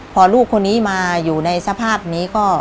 พอลูกคนนี้มาอยู่ในสภาพนี้ก็